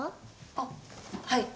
あっはい。